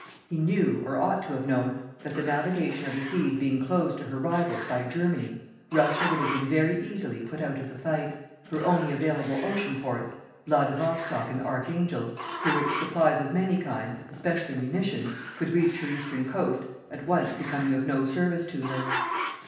He knew, or ought to have known, that the navigation of the seas being closed to her rivals by Germany, Russia would have been very easily put out of the fight, her only available ocean ports, Vladivostock and Arkhangel, through which supplies of many kinds, especially munitions, could reach her eastern coast, at once becoming of no service to her.